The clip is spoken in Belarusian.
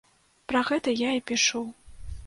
Пра гэта я і пішу.